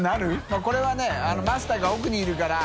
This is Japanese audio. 海譴呂マスターが奥にいるから。